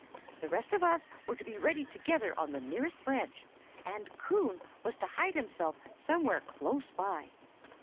The rest of us were to be ready together on the nearest branch, and Coon was to hide himself somewhere close by.